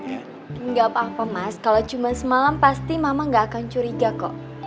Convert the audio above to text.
tidak apa apa mas kalau cuma semalam pasti mama gak akan curiga kok